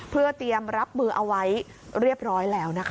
เพื่อเตรียมรับมือเอาไว้เรียบร้อยแล้วนะคะ